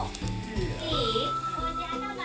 いい？